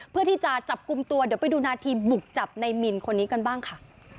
เพื่อที่จะจับกลุ่มตัวเดี๋ยวไปดูนาทีบุกจับในมินคนนี้กันบ้างค่ะ